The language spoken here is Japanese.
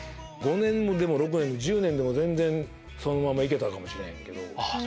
５年でも６年でも１０年でもそのまま行けたかもしれへんけど。